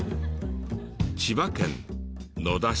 千葉県野田市。